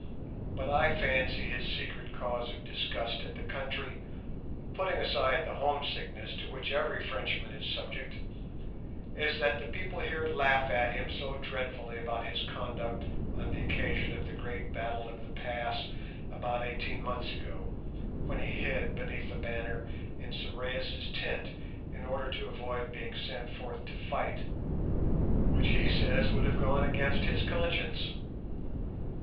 But I fancy his secret cause of disgust at the country, putting aside the homesickness to which every Frenchman is subject, is that the people here laugh at him so dreadfully about his conduct on the occasion of the great battle of the Pass about eighteen months ago, when he hid beneath a banner in Sorais's tent in order to avoid being sent forth to fight, which he says would have gone against his conscience.